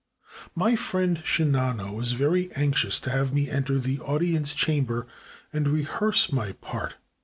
My friend Shinano was very anxious to have me enter the audience chamber and rehearse my part.